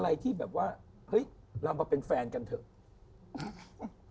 อะไรที่แบบว่าเฮ้ยเรามาเป็นแฟนกันเถอะ